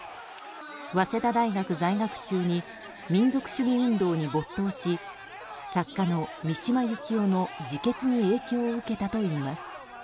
早稲田大学在学中に民族主義運動に没頭し作家の三島由紀夫の自決に影響を受けたといいます。